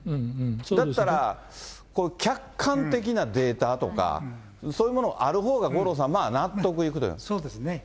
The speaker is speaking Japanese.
だったら客観的なデータとか、そういうもの、あるほうが、五郎さん、そうですね。